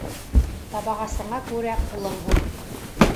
Табағасыңа күрә ҡулың һуҙ.